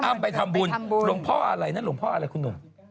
ไปทำบุญหลวงพ่ออะไรนะหลวงพ่ออะไรคุณหนุ่ม